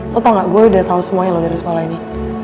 lo tahu nggak gue udah tau semuanya loh dari sekolah ini